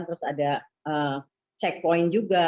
terus ada checkpoint juga